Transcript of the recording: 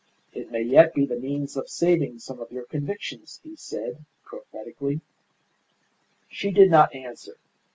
"It may yet be the means of saving some of your convictions," he said, prophetically. She did not answer.